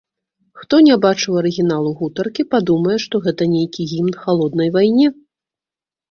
Хто не бачыў арыгіналу гутаркі, падумае, што гэта нейкі гімн халоднай вайне.